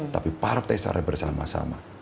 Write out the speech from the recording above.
tapi partai secara bersama sama